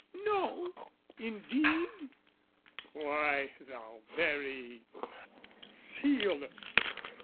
No, indeed? Why, thou very sciolist!